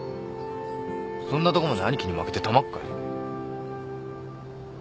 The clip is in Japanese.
そんなとこまで兄貴に負けてたまっかよ。